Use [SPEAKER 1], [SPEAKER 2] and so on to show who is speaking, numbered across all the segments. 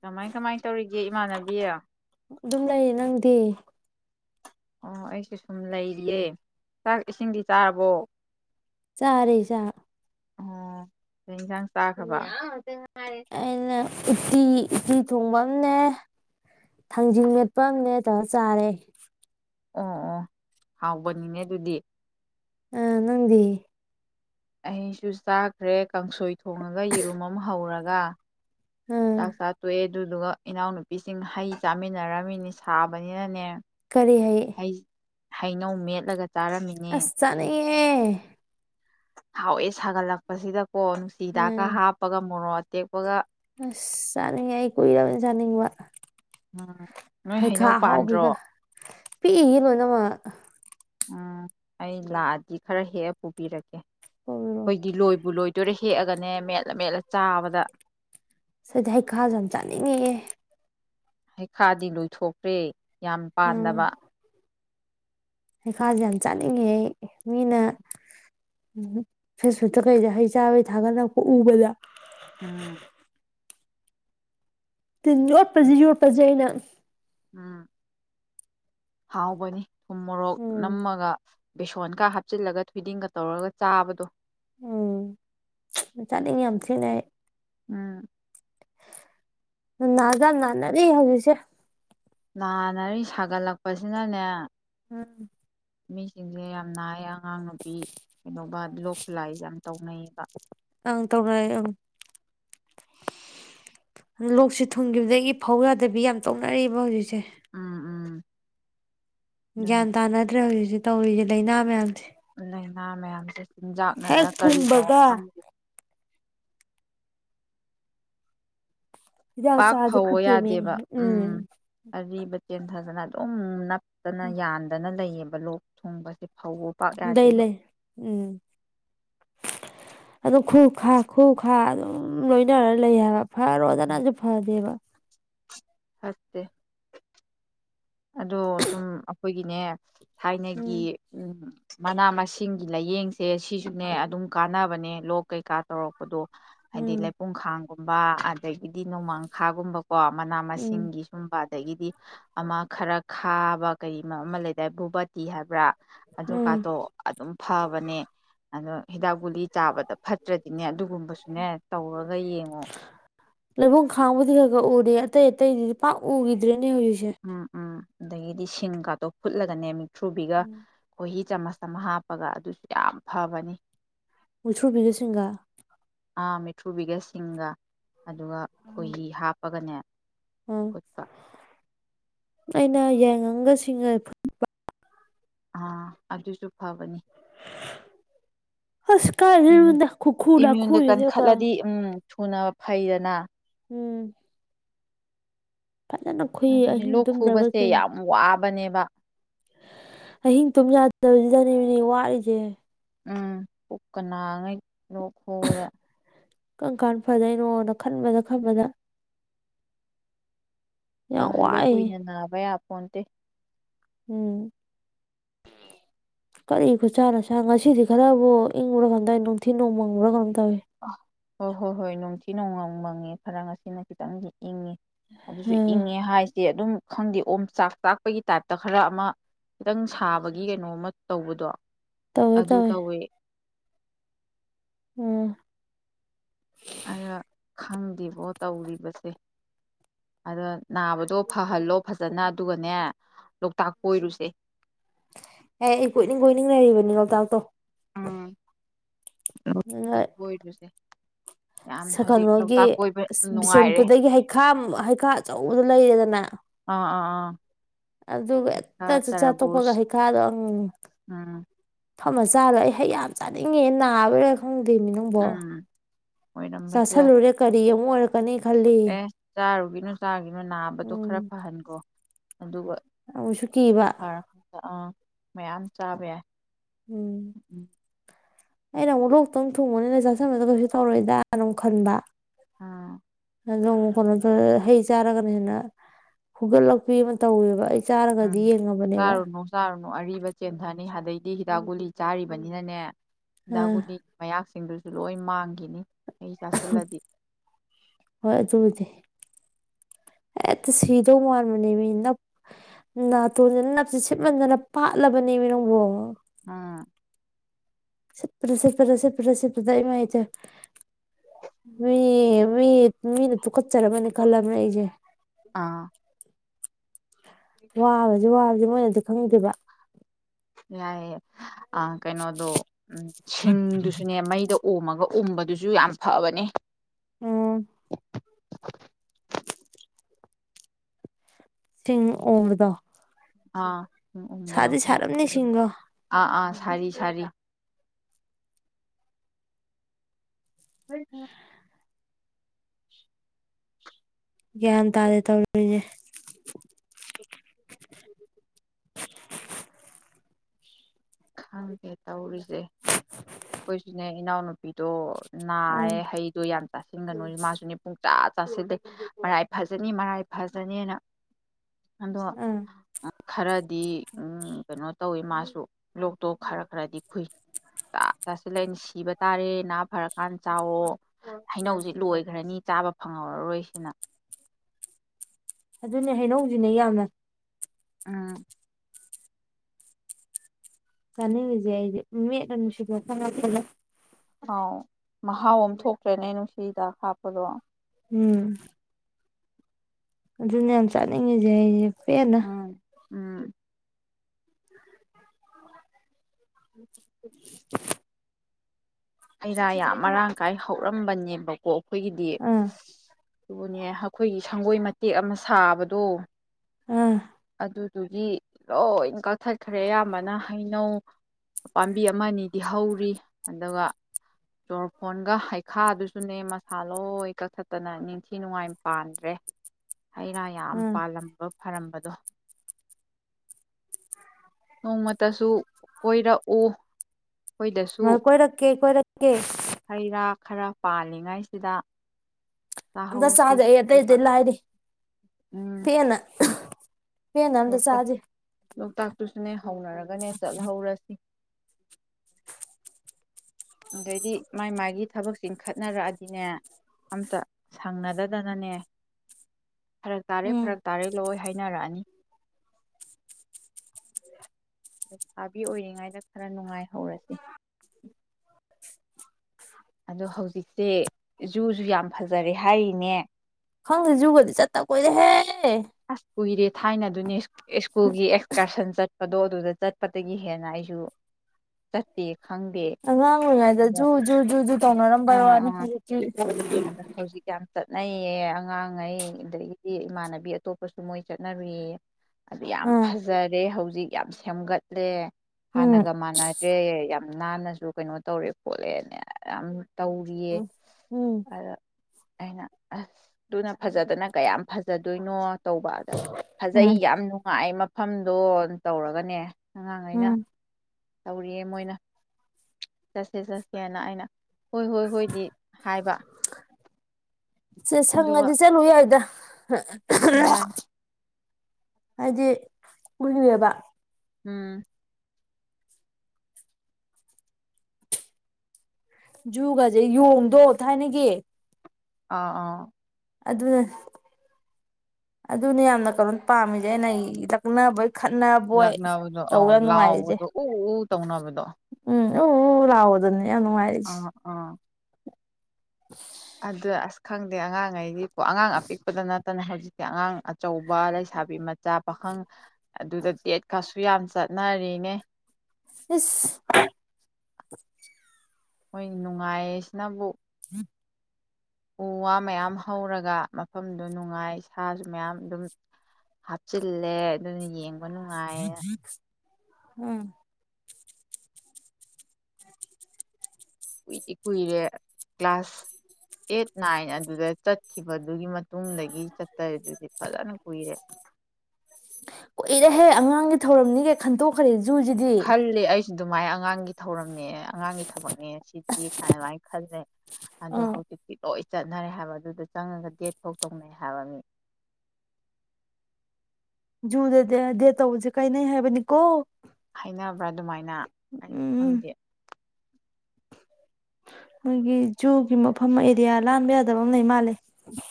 [SPEAKER 1] ꯀꯃꯥꯏ ꯀꯃꯥꯏ ꯇꯧꯔꯤꯒꯦ ꯏꯃꯥꯟꯅꯕꯤꯌꯦ
[SPEAKER 2] ꯑꯗꯨꯝ ꯂꯩꯌꯦ ꯅꯪꯗꯤ
[SPEAKER 1] ꯑꯣ ꯑꯩꯁꯨ ꯁꯨꯝ ꯂꯩꯔꯤꯌꯦ ꯆꯥꯛ ꯏꯁꯤꯡꯗꯤ ꯆꯥꯔꯕꯣ
[SPEAKER 2] ꯆꯔꯦ ꯆꯥ
[SPEAKER 1] ꯑꯣ ꯀꯩ ꯏꯟꯁꯥꯡ ꯆꯥꯈ꯭ꯔꯕ
[SPEAKER 2] ꯑꯩꯅ ꯎꯇꯤ [unintelligible] ꯊꯣꯡꯕ ꯑꯅꯦ ꯊꯥꯡꯖꯤꯡ ꯃꯦꯠꯄ ꯑꯃꯅꯦ ꯇꯧꯔ ꯆꯥꯔꯦ
[SPEAKER 1] ꯑꯣ ꯑꯣ ꯍꯥꯎꯕꯅꯤꯅꯦ ꯑꯗꯨꯗꯤ
[SPEAKER 2] ꯑ ꯅꯪꯗꯤ
[SPEAKER 1] ꯑꯩꯁꯨ ꯆꯥꯈ꯭ꯔꯦ ꯀꯥꯡꯁꯣꯏ ꯊꯣꯡꯉꯒ ꯌꯦꯔꯨꯝ ꯑꯃ ꯍꯧꯔꯒ
[SPEAKER 2] ꯑꯥ
[SPEAKER 1] ꯆꯥꯛ ꯆꯥ ꯇꯣꯛꯑꯦ ꯑꯗꯨꯗꯨꯒ ꯏꯅꯥꯎꯅꯨꯄꯤꯁꯤꯡ ꯍꯩ ꯆꯥꯃꯤꯟꯅꯔꯝꯃꯤꯅꯤ ꯁꯥꯕꯅꯤꯅꯅꯦ
[SPEAKER 2] ꯀꯔꯤ ꯍꯩ
[SPEAKER 1] ꯍꯩꯅꯧ ꯃꯦꯠꯂꯒ ꯆꯥꯔꯝꯃꯤꯅꯦ
[SPEAKER 2] ꯑꯁ [unintelligible]
[SPEAKER 1] ꯍꯥꯎꯋꯦ ꯁꯥꯒꯠꯂꯛꯄꯁꯤꯗ ꯀꯣ ꯅꯨꯡꯁꯤꯗꯥꯛꯀ
[SPEAKER 2] ꯎꯝ
[SPEAKER 1] ꯍꯥꯞꯄꯒ ꯃꯣꯔꯣꯛ ꯇꯦꯛꯄꯒ
[SPEAKER 2] ꯑꯁ ꯆꯥꯅꯤꯡꯉꯦ ꯑꯩ ꯀꯨꯏꯔꯕꯅꯤ ꯆꯥꯅꯤꯡꯕ
[SPEAKER 1] ꯎꯝ ꯅꯣꯏ
[SPEAKER 2] ꯍꯩꯈꯥ
[SPEAKER 1] ꯍꯩꯅꯧ ꯄꯥꯟꯗ꯭ꯔꯣ
[SPEAKER 2] ꯑꯍꯥꯎꯕꯤꯒ ꯄꯤꯛꯏꯌꯦ ꯂꯣꯏꯅꯃꯛ
[SPEAKER 1] ꯎꯝ ꯑꯩ ꯂꯥꯛꯑꯗꯤ ꯈꯔ ꯍꯦꯛ ꯄꯨꯕꯤꯔꯛꯀꯦ
[SPEAKER 2] ꯄꯣꯔꯣ
[SPEAKER 1] ꯑꯩꯈꯣꯏꯒꯤ ꯂꯣꯏꯕꯨ ꯂꯣꯏ [unintelligible] ꯍꯦꯛꯑꯒꯅꯦ ꯃꯦꯠꯂ ꯃꯦꯠꯂ ꯆꯥꯕꯗ
[SPEAKER 2] ꯁꯤꯗ ꯍꯩꯈꯥꯖ ꯌꯥꯝ ꯆꯥꯅꯤꯡꯉꯤꯌꯦ
[SPEAKER 1] ꯍꯩꯈꯥꯗꯤ ꯂꯣꯏꯊꯣꯛꯈ꯭ꯔꯦ ꯌꯥꯝ
[SPEAKER 2] ꯎꯝ
[SPEAKER 1] ꯄꯥꯟꯗꯕ
[SPEAKER 2] ꯍꯩꯈꯥꯁꯦ ꯌꯥꯝ ꯆꯥꯅꯤꯡꯉꯦ ꯑꯩ ꯃꯤꯅ ꯐꯦꯁꯕꯨꯛꯇ ꯀꯩꯗ ꯍꯩ ꯆꯥꯕꯩ ꯊꯥꯒꯠꯂꯛꯄ ꯎꯕꯗ
[SPEAKER 1] ꯎꯝ
[SPEAKER 2] ꯇꯤꯟ ꯌꯣꯠꯄꯁꯤ ꯌꯣꯠꯄꯁꯤ ꯑꯩꯅ
[SPEAKER 1] ꯑꯥ ꯍꯥꯎꯕꯅꯤ ꯊꯨꯝ ꯃꯣꯔꯣꯛ
[SPEAKER 2] ꯎꯝ
[SPEAKER 1] ꯅꯝꯃꯒ ꯕꯦꯁꯣꯟꯒ ꯍꯥꯞꯆꯤꯜꯂꯒ ꯊꯣꯏꯗꯤꯡꯒ ꯇꯧꯔꯒ ꯆꯥꯕꯗꯣ
[SPEAKER 2] ꯎꯝ ꯆꯥꯅꯤꯡ ꯌꯥꯝ ꯊꯤꯅ ꯑꯩ
[SPEAKER 1] ꯎꯝ
[SPEAKER 2] ꯅꯥꯗꯥ ꯅꯅꯤ ꯍꯥꯖꯤꯁꯦ
[SPEAKER 1] ꯂꯥꯟꯅꯔꯤ ꯁꯥꯒꯠꯂꯛꯄꯁꯤꯅꯅꯦ
[SPEAKER 2] ꯎꯝ ꯎꯝ
[SPEAKER 1] ꯃꯤꯁꯤꯡꯁꯦ ꯌꯥꯝ ꯅꯥꯏꯌꯦ ꯑꯉꯥꯡ ꯅꯨꯄꯤ ꯀꯩꯗꯧꯕ ꯂꯣꯛ ꯈꯨꯠꯂꯥꯏ ꯌꯥꯝ ꯇꯧꯅꯩꯌꯦꯕ
[SPEAKER 2] ꯑꯪ ꯇꯧꯅꯑꯦ ꯑꯪ ꯂꯣꯛꯁꯦ ꯊꯨꯡꯈꯤꯕꯗꯒꯤ ꯐꯧ ꯌꯥꯗꯕꯤ ꯌꯥꯝ ꯇꯧꯅꯔꯤꯕ ꯍꯧꯖꯤꯛꯁꯦ
[SPEAKER 1] ꯎꯝ ꯎꯝ ꯑꯗꯨꯅ
[SPEAKER 2] ꯌꯥꯟ ꯇꯥꯅꯗ꯭ꯔ ꯍꯧ ꯁꯤ ꯇꯧꯔꯤꯁꯦ ꯂꯥꯏꯅꯥ ꯃꯌꯥꯝ
[SPEAKER 1] ꯑ ꯑꯃꯦ ꯆꯤꯟꯖꯥꯛꯅꯔ
[SPEAKER 2] ꯍꯦꯛ
[SPEAKER 1] ꯀꯔꯤꯅꯣ
[SPEAKER 2] ꯊꯨꯡꯕꯒ
[SPEAKER 1] ꯈꯪꯒꯦ
[SPEAKER 2] ꯍꯤꯗꯥꯛ
[SPEAKER 1] ꯄꯥꯛ
[SPEAKER 2] ꯆꯥꯔꯁꯨ
[SPEAKER 1] ꯐꯋ
[SPEAKER 2] ꯐꯠꯇꯦꯃꯤ
[SPEAKER 1] ꯌꯥꯗꯦꯕ ꯎꯝ ꯑꯔꯤꯕ ꯌꯦꯊꯥꯖꯅ ꯑꯗꯨꯝ ꯠꯇꯅ ꯌꯥꯟꯗꯅ ꯂꯩꯌꯦꯕ ꯂꯣꯛ ꯊꯣꯡꯕꯁ
[SPEAKER 2] ꯦ ꯂꯩꯦ ꯎꯝ ꯑꯗꯨꯝ ꯈꯨꯔ ꯈꯥ ꯈꯨ ꯈꯥ ꯑꯗꯨꯝ ꯂꯣꯏꯅꯔ ꯂꯩ ꯍꯥꯏꯕ ꯐ ꯔꯣꯖꯅꯁꯨ ꯐꯗꯦꯕ
[SPEAKER 1] ꯑꯁꯦ ꯑꯗꯣ ꯁꯨꯝ ꯑꯩꯈꯣꯏꯒꯤꯅꯦ ꯊꯥꯏꯅꯒꯤ
[SPEAKER 2] ꯎꯝ
[SPEAKER 1] ꯎ ꯃꯅꯥ ꯃꯁꯤꯡꯒꯤ ꯂꯥꯏꯌꯦꯡꯁꯦ ꯁꯤꯁꯨꯅꯦ ꯑꯗꯨꯝ ꯀꯥꯟꯅꯕꯅꯦ ꯂꯣꯛ ꯀꯩꯀꯥ ꯇꯧꯔꯛꯄꯗꯣ ꯍꯥꯏꯗꯤ
[SPEAKER 2] ꯎꯝ
[SPEAKER 1] ꯂꯩꯄꯨꯡ ꯈꯥꯡ ꯨꯝꯕ ꯑꯗꯒꯤꯗꯤ ꯅꯣꯡꯃꯥꯡꯈꯥꯒꯨꯝꯕ ꯀꯣ ꯃꯅꯥ
[SPEAKER 2] ꯎꯝ
[SPEAKER 1] ꯃꯁꯤꯡꯒꯤ ꯁꯨꯝꯕ ꯑꯗꯒꯤꯗꯤ ꯑꯃ ꯈꯔ ꯈꯥꯕ ꯀꯔꯤ ꯑꯃ ꯂꯩꯗꯥ ꯚꯣꯕꯇꯤ ꯍꯥꯏꯕ꯭ꯔꯥ
[SPEAKER 2] ꯎꯝ
[SPEAKER 1] ꯑꯗꯨꯒꯗꯣ ꯑꯗꯨꯝ ꯐꯕꯅꯦ ꯑꯗꯣ ꯍꯤꯗꯥꯛ ꯒꯨꯂꯤ ꯆꯥꯕꯗ ꯐꯠꯇ꯭ꯔꯗꯤꯅꯦ ꯑꯗꯨ
[SPEAKER 2] ꯂꯕꯨꯡ ꯈꯃꯗꯤ ꯈꯒ ꯎꯔꯤ ꯣꯏꯗ ꯄ ꯎꯨꯒꯗ꯭ꯔꯦ
[SPEAKER 1] ꯎꯝ ꯎꯝ ꯑꯗꯒꯤꯗꯤ ꯁꯤꯡ ꯀꯥꯗꯣ ꯐꯨꯠꯂꯒꯅꯦ ꯊ꯭ꯔꯨꯕꯤꯒꯥ ꯍꯍꯤ ꯆꯃꯁ ꯑꯃ ꯍꯥꯞꯄꯒ ꯑꯗꯨꯁꯨ ꯌꯥꯝ ꯐꯕꯅꯤ
[SPEAKER 2] ꯃꯨꯊ꯭ꯔꯨꯕꯤꯒ ꯁꯤꯡꯒ
[SPEAKER 1] ꯑꯥ ꯃꯨꯊ꯭ꯔꯨꯕꯤꯒ ꯁꯤꯡꯒ ꯑꯗꯨꯒ ꯈꯣꯏꯍꯤ ꯍꯥꯞ ꯄꯒꯅꯦ
[SPEAKER 2] ꯑꯥ
[SPEAKER 1] ꯐꯨꯠꯄ
[SPEAKER 2] ꯑꯩꯅ ꯌꯥꯏꯉꯪꯒ ꯁꯤꯡꯒ ꯐꯨꯠꯄ
[SPEAKER 1] ꯑꯥ ꯑꯗꯨꯁꯨ ꯐꯕꯅꯤ
[SPEAKER 2] ꯑꯁ
[SPEAKER 1] ꯏꯃꯨꯟ
[SPEAKER 2] ꯀꯥꯏꯗꯩꯅꯣꯗ ꯈꯨꯈꯨ
[SPEAKER 1] ꯏꯃ꯭ꯌꯨꯟꯗ
[SPEAKER 2] ꯂꯛꯈꯨꯁꯤꯗ ꯀꯣ
[SPEAKER 1] ꯀꯟꯈꯠꯂꯗꯤ ꯎꯝ ꯊꯨꯅ ꯐꯩꯗꯅ
[SPEAKER 2] ꯎꯝ ꯐꯖꯅ ꯈꯨꯏ
[SPEAKER 1] ꯑꯗꯨꯅꯤ
[SPEAKER 2] ꯑꯍꯤꯡ
[SPEAKER 1] ꯂꯣꯛ
[SPEAKER 2] ꯇꯨꯝꯗꯒ
[SPEAKER 1] ꯈꯨꯕꯁꯦ
[SPEAKER 2] ꯈꯨꯏ
[SPEAKER 1] ꯌꯥꯝ ꯋꯥꯕꯅꯦꯕ
[SPEAKER 2] ꯑꯍꯤꯡ ꯇꯨꯝ ꯌꯥꯗꯕ [unintelligible] ꯋꯔꯤꯖꯦ
[SPEAKER 1] ꯎꯝ ꯄꯨꯀꯅꯥꯥꯉꯩ ꯂꯣꯛ ꯈꯨꯕꯗ
[SPEAKER 2] ꯀꯔꯝ ꯀꯥꯟ ꯐꯗꯩꯅꯣꯅ ꯈꯟꯕꯗ ꯈꯟꯕꯗ ꯌꯥꯝ
[SPEAKER 1] ꯑꯥ ꯍꯜꯂꯣ
[SPEAKER 2] ꯋꯥꯏꯌꯦ
[SPEAKER 1] ꯀꯨꯏꯅ ꯅꯥꯕꯥ ꯌꯥꯕꯥ ꯄꯣꯟꯇꯦ
[SPEAKER 2] ꯎꯝ ꯀꯔꯤ ꯈꯨ ꯁꯥ ꯂꯛꯁꯥ ꯅꯣ ꯉꯁꯤꯗꯤ ꯈꯔꯕꯨ ꯏꯪꯕꯔꯥ ꯀꯩꯅꯣꯝ ꯇꯧꯏ ꯅꯨꯡꯊꯤ ꯅꯣꯡ ꯃꯪꯕ꯭ꯔꯥꯟꯗ ꯇꯋꯦ
[SPEAKER 1] ꯑ ꯍꯣꯏ ꯍꯣꯏ ꯍꯣꯏ ꯅꯨꯡꯊꯤ ꯅꯣꯡꯃꯡ ꯃꯪꯉꯦ ꯈꯔꯥ ꯉꯁꯤꯅ ꯈꯤꯇꯪꯗꯤ ꯏꯪꯉꯦ ꯑꯗꯨꯁꯨ
[SPEAKER 2] ꯑꯥ
[SPEAKER 1] ꯏꯪꯉꯦ ꯍꯥꯏꯁꯦ ꯑꯗꯨꯝ ꯈꯪꯗꯦ ꯑꯣꯝ ꯆꯥꯛ ꯆꯥꯛꯄꯒꯤ ꯇꯥꯏꯞꯇ ꯈꯔ ꯑꯃ ꯈꯤꯇꯪ ꯁꯥꯕꯒꯤ ꯀꯩꯅꯣꯃ ꯇꯧꯕꯗꯣ ꯑꯗꯨ ꯇꯧꯋꯦ
[SPEAKER 2] ꯎꯝ
[SPEAKER 1] ꯑꯗ ꯈꯪꯗꯦꯕꯣ ꯇꯧꯔꯤꯕꯁꯦ ꯑꯗ ꯅꯥꯕꯗꯣ ꯐꯍꯜꯂꯣ ꯐꯖꯅ ꯑꯗꯨꯒꯅꯦ ꯂꯣꯛꯇꯥꯛ ꯀꯣꯏꯔꯨꯁꯦ
[SPEAKER 2] ꯑꯦ ꯑꯩ ꯀꯣꯏꯅꯤꯡ ꯀꯣꯏꯅꯤꯡ ꯂꯩꯔꯤꯕꯅꯤ ꯂꯣꯛꯇꯥꯛꯇꯣ
[SPEAKER 1] [unintelligible] ꯁꯦ
[SPEAKER 2] [unintelligible] ꯁꯀꯩꯅꯣꯜꯒꯤ
[SPEAKER 1] ꯅꯨꯡꯉꯥꯏꯔꯦ
[SPEAKER 2] ꯕꯤꯁꯦꯝꯄꯨꯔꯗꯒꯤ ꯍꯩꯈꯥ ꯍꯩꯈꯥ ꯑꯆꯧꯕꯗ ꯂꯩꯔꯦꯗꯅ
[SPEAKER 1] ꯑꯥ [inaudible]
[SPEAKER 2] ꯑꯗꯨꯒ
[SPEAKER 1] ꯍꯩꯈꯥ
[SPEAKER 2] ꯍꯦꯛꯇ ꯆꯥꯛ ꯆꯥꯊꯣꯛꯄꯒ
[SPEAKER 1] ꯇꯔꯕꯨꯁ
[SPEAKER 2] ꯍꯩꯈꯥꯗꯣ
[SPEAKER 1] ꯎꯝ
[SPEAKER 2] [unintelligible] ꯐꯝꯃ [unintelligible] ꯑꯩ ꯍꯩ ꯌꯥꯝ ꯆꯥꯅꯤꯡꯉꯦ ꯅꯥꯕꯩꯔꯥ ꯈꯪꯗ꯭ꯔꯦ
[SPEAKER 1] ꯎꯝ
[SPEAKER 2] [unintelligible]
[SPEAKER 1] ꯑꯣꯏꯔꯝꯕꯁꯨ ꯌꯥꯏ
[SPEAKER 2] ꯆꯁꯤꯂꯨꯔꯦ ꯀꯔꯤ ꯑꯃꯨꯛ ꯑꯣ [unintelligible]
[SPEAKER 1] ꯑꯦ ꯆꯥꯔꯨꯒꯤꯅꯨ ꯆꯥꯒꯤꯅꯨ ꯅꯥꯕꯗꯣ
[SPEAKER 2] ꯎꯝ
[SPEAKER 1] ꯈꯔ ꯐꯍꯟꯈꯣ ꯑꯗꯨꯒ
[SPEAKER 2] ꯑꯃꯨꯛꯁꯨ ꯀꯤꯕ
[SPEAKER 1] ꯍꯥꯔꯗ ꯃꯌꯥꯝ ꯆꯥꯕ ꯌꯥꯏ
[SPEAKER 2] ꯎꯝ
[SPEAKER 1] ꯎꯝ
[SPEAKER 2] ꯑꯩꯅ [unintelligible] ꯊꯨꯡꯕꯅꯤꯅ ꯆꯥꯁꯟꯕꯗ ꯀꯩꯁꯨ ꯇꯧꯔꯣꯏꯗꯅ ꯑꯃꯨꯛ ꯈꯟꯕ ꯑꯗꯨ ꯑꯃꯨꯛ ꯀꯩꯅꯣ ꯇꯧ ꯍꯩ ꯆꯥꯔꯒꯅ ꯍꯦꯟꯅ ꯍꯧꯒꯠꯂꯛꯄꯤ ꯑꯃ ꯇꯧꯋꯦꯕ ꯑꯩ
[SPEAKER 1] ꯎꯝ
[SPEAKER 2] ꯆꯥꯔꯒꯗꯤ ꯌꯦꯡꯉꯕꯅꯦꯕ
[SPEAKER 1] ꯆꯥꯔꯨꯅꯨ ꯆꯥꯔꯨꯅꯨ ꯑꯔꯤꯕ ꯆꯦꯟꯊꯅꯤ ꯑꯗꯩ ꯗꯤ ꯍꯤꯗꯥꯛ ꯒꯨꯂꯤ ꯆꯥꯔꯤꯕꯅꯤꯅꯅꯦ ꯍꯤꯗꯥꯛ
[SPEAKER 2] ꯑꯥ
[SPEAKER 1] ꯒꯨꯅꯤ ꯃꯌꯥꯛ ꯁꯤꯪꯗꯨ ꯂꯣꯏ ꯃꯥꯡꯈꯤꯅꯤ ꯑꯩ ꯆꯥꯁꯤꯜꯂꯗꯤ
[SPEAKER 2] ꯍꯣꯏ ꯑꯗꯨꯕꯨꯗꯤ ꯑꯦ ꯇ ꯁꯤꯗꯣ ꯃꯥꯂꯤ ꯑꯗꯨꯅꯦꯃꯤ ꯅꯞ ꯅꯥꯇꯣꯟꯁꯦ ꯅꯞ ꯁꯤꯠꯃꯟꯗꯅ ꯄꯥꯠꯂꯕꯅꯦꯃꯤ ꯅꯪꯕꯣ
[SPEAKER 1] ꯑꯥ
[SPEAKER 2] ꯄ꯭ ꯁꯤꯄ꯭ꯗ ꯁꯤꯠ ꯁꯤꯄꯗ ꯃꯥꯍꯤꯇ ꯃꯤ ꯃꯤ ꯃꯤ ꯅ ꯈꯨꯠ ꯆꯂꯥꯕꯅꯤ ꯈꯅꯜꯕꯅꯤ ꯂꯩꯏꯖ
[SPEAKER 1] ꯑꯥ
[SPEAKER 2] ꯋꯥꯕꯖ ꯋꯥꯕꯖ ꯃꯣꯏꯅꯗꯤ ꯈꯪꯗꯦꯕ
[SPEAKER 1] ꯌꯥꯑꯌꯦ ꯑ ꯀꯩꯅꯣꯗꯣ ꯎꯝ ꯁꯤꯡꯗꯨꯁꯨꯅꯦ ꯃꯩꯗ ꯑꯣꯝꯃꯒ ꯎꯝꯕꯗꯨꯁꯨ ꯌꯥꯝ ꯐꯕꯅꯦ
[SPEAKER 2] ꯎꯝ ꯁꯤꯡ ꯎꯃꯗ
[SPEAKER 1] ꯑꯥ ꯎꯝ ꯎꯝꯕꯗꯣ ꯂꯣꯛ
[SPEAKER 2] ꯁꯤꯡꯗꯣ
[SPEAKER 1] ꯈꯨꯅꯗꯣ ꯁꯔꯤ ꯁꯔꯤ ꯎꯝ ꯎꯝ
[SPEAKER 2] ꯒ꯭ꯌꯥꯟ ꯇꯥꯗꯦ ꯇꯧꯔꯤꯁꯦ
[SPEAKER 1] [unintelligible] ꯈꯪꯒꯦ ꯇꯧꯔꯤꯁꯦ ꯑꯩꯈꯣꯏꯁꯨꯅꯦ ꯏꯅꯥꯎꯅꯨꯄꯤꯗꯣ
[SPEAKER 2] ꯎꯝ
[SPEAKER 1] ꯅꯥꯑꯌꯦ ꯍꯩꯗꯨ ꯌꯥꯝ ꯆꯥꯁꯤꯟꯗꯅꯣꯏ ꯃꯥꯁꯨꯅꯦ ꯄꯨꯡ ꯆꯥ ꯆꯥꯁꯤꯜꯂꯤꯦ ꯃꯔꯥꯏ ꯐꯖꯅꯤ ꯃꯔꯥꯏ ꯐꯖꯅꯤꯅ ꯑꯗꯣ
[SPEAKER 2] ꯑꯥ
[SPEAKER 1] ꯈꯔꯗꯤ ꯀꯩꯅꯣ ꯇꯧꯋꯤ ꯃꯥꯁꯨ ꯂꯣꯛꯇꯣ ꯈꯔ ꯈꯔꯗꯤ ꯈꯨꯨꯏ ꯆ ꯆꯥꯁꯤꯂꯅ ꯁꯤꯕ ꯇꯥꯔꯦ ꯅꯥ ꯐꯔꯀꯥꯟꯗ ꯆꯥꯎꯋꯣ ꯍꯩꯅꯧꯁꯤ ꯂꯣꯏꯈ꯭ꯔꯅꯤ ꯆꯥꯕ ꯐꯪꯍꯧꯔꯔꯣꯏ ꯁꯤꯅ
[SPEAKER 2] ꯑꯗꯨꯅꯦ ꯍꯩꯅꯧꯁꯤꯅꯦ ꯌꯥꯝꯅ
[SPEAKER 1] ꯑꯝ
[SPEAKER 2] ꯆꯅꯤꯡꯖꯦ ꯑꯩꯗꯤ ꯃꯦꯠꯂꯥ ꯅꯨꯡꯁꯤ ꯍꯤꯗꯥꯛ ꯀꯥ ꯍꯥꯞꯄꯒ
[SPEAKER 1] ꯑ ꯃꯍꯥꯎ ꯑꯃ ꯊꯣꯛꯇ꯭ꯔꯦꯅꯦ ꯅꯨꯡꯁꯤꯗ ꯍꯥꯞꯄꯗꯣ
[SPEAKER 2] ꯎꯝ ꯑꯗꯨꯅ ꯌꯥꯝ ꯆꯥꯅꯤꯡꯉꯤꯁꯦ ꯑꯩꯁꯦ ꯄꯦꯟꯅ
[SPEAKER 1] ꯎꯝ ꯎꯝ ꯎꯝ
[SPEAKER 2] [inaudible]
[SPEAKER 1] ꯍꯩꯔꯥ ꯌꯥꯝ ꯃꯔꯥꯡ ꯀꯥꯏ ꯍꯧꯔꯝꯕꯅꯦꯕꯀꯣ ꯑꯩꯈꯣꯏꯒꯤꯗꯤ
[SPEAKER 2] ꯑꯥ
[SPEAKER 1] ꯑꯗꯨꯕꯨꯅꯦ ꯑꯩꯈꯣꯏꯒꯤ ꯁꯪꯒꯣꯏ ꯃꯇꯦꯛ ꯑꯃ ꯁꯥꯕꯗ ꯇꯣ
[SPEAKER 2] ꯑꯥ
[SPEAKER 1] ꯑꯗꯨꯗꯨꯒꯤ ꯂꯣꯏ ꯀꯛꯊꯠꯈ꯭ꯔꯦ ꯑꯌꯥꯝꯕꯅ ꯍꯩꯅꯧ ꯄꯥꯝꯕꯤ ꯑꯃ ꯑꯅꯤꯗꯤ ꯍꯧꯔꯤ ꯑꯗꯨꯒ ꯆꯣꯔꯐꯣꯟꯒ ꯍꯩꯈꯥꯗꯨꯁꯨꯅꯦ ꯃꯁꯥ ꯂꯣꯏ ꯀꯛꯊꯠꯇꯅ ꯅꯤꯡꯊꯤ ꯅꯨꯡꯉꯥꯏ ꯄꯥꯟꯗ꯭ꯔꯦ ꯍꯩ ꯔꯥ ꯌꯥꯝ
[SPEAKER 2] ꯑꯥ
[SPEAKER 1] ꯄꯥꯜꯂꯝꯕ ꯐꯔꯝꯕꯗ ꯗꯣ ꯅꯣꯡꯃꯇꯁꯨ ꯀꯣꯏꯔꯛꯎ ꯑꯩꯈꯣꯏꯗꯁꯨ
[SPEAKER 2] ꯉꯥ ꯀꯣꯏꯔꯛꯀꯦ ꯀꯣꯏꯔꯛꯀꯦ
[SPEAKER 1] ꯍꯩ ꯔꯥ ꯈꯔ ꯄꯥꯜꯂꯤꯉꯥꯏꯁꯤꯗ
[SPEAKER 2] ꯑꯝꯇ ꯆꯥꯖ ꯑꯩ ꯑꯇꯩ ꯑꯇꯩ ꯂꯥꯏꯔꯤ
[SPEAKER 1] ꯎꯝ
[SPEAKER 2] ꯄꯦꯟꯅ ꯄꯦꯟꯅ ꯑꯝꯇ
[SPEAKER 1] ꯂꯣꯛꯇꯥꯛ
[SPEAKER 2] ꯆꯥꯁꯦ
[SPEAKER 1] ꯂꯣꯛꯇꯥꯛꯇꯨꯁꯨꯅꯦ ꯍꯧꯅꯔꯒꯅꯦ ꯆꯠꯍꯧꯔꯁꯤ ꯑꯗꯩꯗꯤ ꯃꯥꯏ ꯃꯥꯒꯤ ꯊꯕꯛ ꯆꯤꯡꯈꯠꯅꯔꯛꯑꯗꯤꯅꯦ ꯑꯝꯇ ꯁꯪꯅꯗꯗꯅꯅꯦ ꯐꯔꯛ ꯇꯥꯔꯦ
[SPEAKER 2] ꯎꯝ
[SPEAKER 1] ꯐꯔꯛ ꯇꯥꯔꯦ ꯂꯣꯏ ꯍꯥꯏ ꯅꯥꯔꯥꯅꯤ ꯂꯩꯁꯥꯕꯤ ꯑꯣꯏꯔꯤꯉꯥꯏꯗ ꯈꯔ ꯅꯨꯡꯉꯥꯏꯍꯧꯔꯁꯤ ꯑꯗꯣ ꯍꯧꯖꯤꯛꯁꯦ ꯖꯨꯁꯨ ꯌꯥꯝ ꯐꯖꯔꯦ ꯍꯥꯏꯔꯤꯅꯦ
[SPEAKER 2] ꯈꯪꯗꯦ ꯖꯨꯒꯗꯤ ꯆꯠꯇ ꯀꯣꯏꯔꯦ ꯍꯦ ꯍꯦ
[SPEAKER 1] ꯑꯁ ꯀꯨꯏꯔꯦ ꯊꯥꯏꯅꯗꯨꯅꯦ ꯏꯁ꯭ꯀꯨꯜꯒꯤ ꯑꯦꯛꯁꯀꯔꯁꯟ ꯆꯠ ꯑꯗꯨꯗꯣ ꯑꯗꯨꯗ ꯆꯠꯄꯗꯒꯤ ꯍꯦꯟꯅ ꯑꯩꯁꯨ ꯆꯠꯇꯦ ꯈꯪꯗꯦ
[SPEAKER 2] ꯑꯉꯥꯡ ꯑꯣꯏꯔꯤꯉꯩꯗ
[SPEAKER 1] ꯑꯗꯣ
[SPEAKER 2] ꯖꯨ ꯖꯨ ꯖꯨ ꯨ ꯇꯧꯅꯔꯝꯕꯩ ꯋꯥꯅꯤ ꯍꯧꯖꯤꯛꯀꯤ
[SPEAKER 1] ꯑ ꯍꯧꯖꯤꯛ ꯀ ꯆꯠꯅꯩꯌꯦ ꯑꯉꯥꯡꯈꯩ ꯑꯗꯒꯤꯗꯤ ꯏꯃꯥꯟꯅꯕꯤ ꯑꯇꯣꯞꯄꯁꯨ ꯃꯣꯏ ꯆꯠꯅꯔꯨꯏ ꯑꯗꯨ ꯌꯥꯝ
[SPEAKER 2] ꯎꯝ
[SPEAKER 1] ꯐꯖꯔꯦ ꯍꯧꯖꯤꯛ ꯍꯧꯖꯤꯛ ꯌꯥꯝ ꯁꯦꯝꯒꯠꯂꯦ
[SPEAKER 2] ꯎꯝ
[SPEAKER 1] ꯍꯥꯟꯅꯒꯃꯅꯗꯦ ꯌꯥꯝ ꯅꯥꯟꯅꯁꯨ ꯀꯩꯅꯣ ꯇꯧꯔꯦ ꯈꯣꯠꯂꯦꯅꯦ ꯌꯥꯝ ꯇꯧꯔꯤꯌꯦ
[SPEAKER 2] ꯎꯝ
[SPEAKER 1] ꯑꯗ ꯑꯩꯅ ꯑꯁ ꯑꯗꯨꯨꯅ ꯐꯖꯗꯅ ꯀꯌꯥꯝ ꯐꯖꯗꯣꯏꯅꯣ ꯇꯧꯕ ꯑꯗ ꯐꯖꯩ
[SPEAKER 2] ꯎꯝ
[SPEAKER 1] ꯌꯥꯝ ꯅꯨꯡꯉꯥꯏ ꯃꯛ ꯃꯐꯝꯗꯣ ꯑꯗꯨ ꯇꯧꯔꯒꯅꯦ ꯑꯉꯥꯡꯉꯩꯅ
[SPEAKER 2] ꯎꯝ
[SPEAKER 1] ꯇꯧꯔꯤꯌꯦ ꯃꯣꯏꯅ ꯆꯠꯁꯦ - ꯆꯠꯁꯦꯅ ꯑꯩꯅ ꯍꯣꯏ -ꯍꯣꯏ -ꯍꯣꯏꯗꯤ ꯍꯥꯏꯕ
[SPEAKER 2] ꯆꯦ
[SPEAKER 1] ꯑꯗꯨꯒ
[SPEAKER 2] ꯁꯪꯉꯗꯤ ꯆꯠꯂꯨ ꯌꯥꯏꯗ ꯍ ꯑ
[SPEAKER 1] ꯌꯥꯏ
[SPEAKER 2] ꯍꯥꯏꯗꯤ ꯄꯨꯜꯂꯨꯏꯌꯦꯕ
[SPEAKER 1] ꯎꯝ
[SPEAKER 2] ꯖꯨꯒꯁꯦ ꯌꯣꯡꯗꯣ ꯊꯥꯏꯅꯒꯤ
[SPEAKER 1] ꯑꯥ- ꯑꯥ
[SPEAKER 2] ꯑꯗꯨꯅ- ꯑꯗꯨꯅ ꯌꯥꯝꯅ ꯀꯣ ꯄꯥꯝꯃꯤꯁꯦ ꯑꯩꯅ ꯇꯛꯅꯕꯩ
[SPEAKER 1] ꯂꯛꯅꯕꯗꯣ ꯑ ꯂꯥꯎꯕꯗꯣ ꯎ -ꯎ ꯇꯧꯅꯕꯗꯣ
[SPEAKER 2] ꯑꯣ ꯎ ꯂꯥꯎꯕꯗꯨꯅꯦ ꯌꯥꯝ
[SPEAKER 1] ꯑꯥ- ꯑꯥ
[SPEAKER 2] ꯎ [unintelligible]
[SPEAKER 1] ꯑꯗꯨ ꯑꯁ ꯈꯪꯗꯦ ꯑꯉꯥꯡꯉꯩꯒꯤ ꯀꯣ ꯑꯉꯥꯡ ꯑꯄꯤꯛꯄꯗ ꯅꯠꯇꯅ ꯍꯥꯏ ꯑꯉꯥꯡ ꯑꯆꯧꯕ ꯂꯩꯁꯥꯕꯤ ꯃꯆꯥ ꯄꯥꯈꯪ ꯑꯗꯨꯗ ꯗꯦꯠꯀꯁꯨ ꯌꯥꯝ ꯆꯠꯅꯔꯦꯅꯦ
[SPEAKER 2] ꯏꯁ
[SPEAKER 1] ꯃꯣꯏ ꯅꯨꯡꯉꯥꯏꯌꯦꯁꯤꯅꯕꯨ
[SPEAKER 2] ꯎ [unintelligible]
[SPEAKER 1] ꯎ ꯋꯥ ꯃꯌꯥꯝ ꯍꯧꯔꯒ ꯃꯐꯝꯗꯣ ꯅꯨꯡꯉꯥꯏ ꯁꯥꯁꯨ ꯃꯌꯥꯝ ꯑꯗꯨꯝ ꯍꯥꯞꯆꯤꯜꯂꯦ ꯑꯗꯨꯅ ꯌꯦꯡ
[SPEAKER 2] ꯖꯠ- ꯖꯠ [unintelligible] ꯎꯝ
[SPEAKER 1] ꯀꯨꯏꯗꯤ ꯀꯨꯏꯔꯦ ꯀ꯭ꯂꯥꯁ ꯑꯦꯠ ꯅꯥꯏꯟ ꯑꯗꯨꯗ ꯆꯠꯈꯤꯕ ꯑꯗꯨꯒꯤ ꯃꯇꯨꯡꯗꯒꯤ ꯆꯠꯇꯔꯦ ꯑꯗꯨꯗꯤ ꯐꯖꯅ ꯀꯨꯏꯔꯦ
[SPEAKER 2] ꯀꯨꯏꯔꯦꯍꯦ ꯑꯉꯥꯡꯒꯤ ꯊꯧꯔꯝꯅꯤꯒꯦ ꯈꯟꯇꯣꯛꯈ꯭ꯔꯦ ꯖꯨꯖꯤꯗꯤ
[SPEAKER 1] ꯈꯜꯂꯦ ꯑꯩꯁꯨ ꯑꯗꯨꯃꯥꯏ ꯑꯉꯥꯡꯒꯤ ꯊꯧꯔꯝꯅꯦ ꯑꯉꯥꯡꯒꯤ ꯊꯕꯛꯅꯦ ꯁꯤꯗꯤ ꯑꯗꯨꯃꯥꯏꯅ ꯈꯜꯂꯦ ꯑꯗꯣ
[SPEAKER 2] ꯑꯥ
[SPEAKER 1] ꯍꯧꯖꯤꯛꯇꯤ ꯂꯣꯏ ꯆꯠꯅꯔꯦ ꯍꯥꯏꯕ ꯑꯗꯨꯗ ꯆꯪꯉꯒ ꯗꯦꯠ ꯐꯥꯎ ꯇꯧꯅꯩ ꯍꯥꯏꯕ ꯃꯤ
[SPEAKER 2] ꯖꯨꯗ ꯗꯦ ꯇꯧꯕꯁꯦ ꯀꯥꯏꯅꯩ ꯍꯥꯏꯕꯅꯤꯀꯣ
[SPEAKER 1] ꯍꯥꯏꯅꯕ꯭ꯔꯥ ꯑꯗꯨꯃꯥꯏꯅ ꯑꯩꯗꯤ ꯈꯪꯗꯦ
[SPEAKER 2] ꯑꯩꯈꯣꯏꯒꯤ ꯖꯨꯒꯤ ꯃꯐꯝ ꯑꯦꯔꯤꯌꯥ ꯂꯥꯟꯕ ꯌꯥꯗꯕ ꯑꯃ ꯂꯩ ꯃꯥꯜꯂꯦ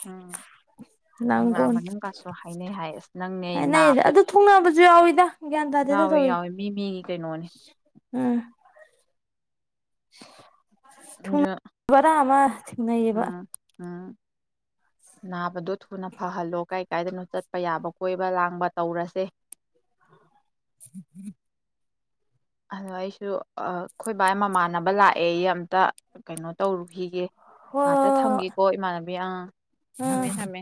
[SPEAKER 1] ꯎꯝ ꯀꯪꯂꯥ
[SPEAKER 2] ꯂꯥꯡꯒꯣꯜ
[SPEAKER 1] ꯃꯅꯨꯡꯒꯁꯨ ꯍꯥꯏꯅꯩ ꯍꯥꯏ ꯑꯁ ꯅꯪꯅꯦ
[SPEAKER 2] ꯍꯥꯏꯅꯩꯗ
[SPEAKER 1] ꯅꯥꯕꯗꯣ
[SPEAKER 2] ꯑꯗꯨ ꯊꯨꯡꯅꯕꯁꯨ ꯌꯥꯎꯋꯤꯗ ꯒ꯭ꯌꯥꯟ ꯇꯥꯗꯦꯗ
[SPEAKER 1] ꯌꯥꯎꯋꯦ
[SPEAKER 2] ꯇꯧꯔꯤꯁꯦ
[SPEAKER 1] ꯌꯥꯎꯋꯦ ꯃꯤ ꯃꯤꯒꯤ ꯀꯩꯅꯣꯅꯤ
[SPEAKER 2] ꯎꯝ
[SPEAKER 1] ꯖ
[SPEAKER 2] ꯕꯣꯔꯥ ꯑꯃꯥ
[SPEAKER 1] ꯎꯝ ꯎꯝ ꯅꯥꯕꯗꯣ ꯊꯨꯅ ꯐꯍꯜꯂꯣ ꯀꯥꯏ ꯀꯥꯏꯗꯅꯣ ꯆꯠꯄ ꯌꯥꯕ ꯀꯣꯏꯕ ꯂꯥꯡꯕ ꯇꯧꯔꯁꯦ ꯑꯗꯣ ꯑꯩꯁꯨ ꯑꯩꯈꯣꯏ ꯕꯥꯏ ꯃꯃꯥꯟꯅꯕ ꯂꯥꯛꯑꯦ ꯌꯦ ꯑꯩ ꯑꯝꯇ ꯀꯩꯅꯣ ꯇꯧꯔꯨꯈꯤꯒꯦ
[SPEAKER 2] ꯍꯣꯏ
[SPEAKER 1] ꯉꯍꯥꯛꯇ
[SPEAKER 2] ꯍꯣꯏ ꯍꯣꯏ
[SPEAKER 1] ꯊꯝꯒꯦꯀꯣ ꯏꯃꯥꯟꯅꯕꯤ ꯑ
[SPEAKER 2] ꯎꯝ
[SPEAKER 1] ꯊꯝꯃꯦ ꯊꯝꯃꯦ